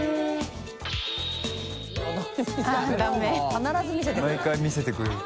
必ず見せてくれる。